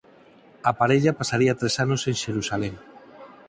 A parella pasaría tres anos en Xerusalén.